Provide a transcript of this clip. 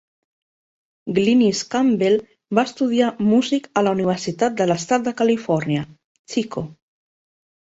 Glynnis Campbell va estudiar músic a la Universitat de l'Estat de Califòrnia, Chico.